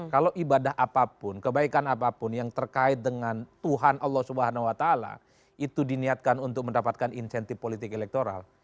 kalau ibadah apapun kebaikan apapun yang terkait dengan tuhan allah swt itu diniatkan untuk mendapatkan insentif politik elektoral